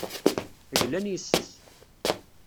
Glan yes-s.